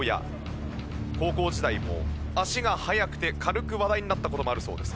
高校時代も足が速くて軽く話題になった事もあるそうです。